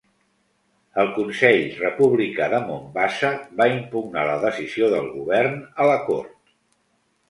El Consell Republicà de Mombasa va impugnar la decisió del govern a la cort.